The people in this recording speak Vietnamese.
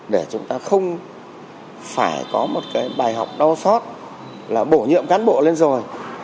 để chúng ta không phải có một cái bài học đau sót là bổ nhiệm cán bộ lên rồi